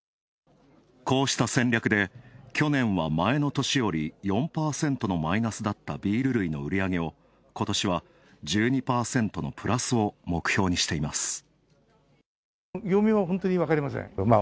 こうした戦略で去年は前の年より４％のマイナスだったビール類の売り上げをことしは１２％のプラスを目標にしています。